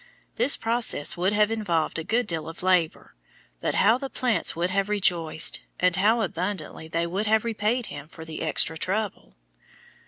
This process would have involved a good deal of labor; but how the plants would have rejoiced, and how abundantly they would have repaid him for the extra trouble!